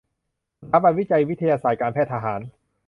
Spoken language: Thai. สถาบันวิจัยวิทยาศาสตร์การแพทย์ทหาร